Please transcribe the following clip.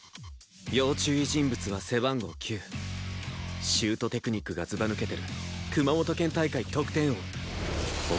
要注意人物は背番号９シュートテクニックがずば抜けてる熊本県大会得点王大川響鬼。